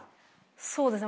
そうですね